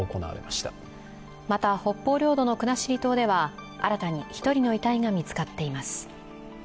また北方領土の国後島では新たに１人の遺体が見つかっています。